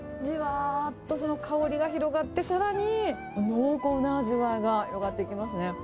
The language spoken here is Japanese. じわーっとその香りが広がって、さらに濃厚な味わいが広がっていきますね。